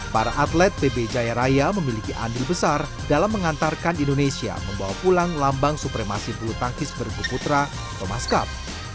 para atlet pb jaya raya memiliki andil besar dalam mengantarkan indonesia membawa pulang lambang supremasi bulu tangkis berguputra thomas cup